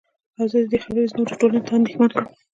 او زه دې خبرې زمونږ ټولنې ته اندېښمن کړم.